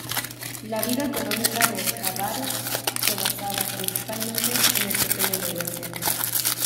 La vida económica de Jabárovsk se basaba, principalmente, en el pequeño negocio.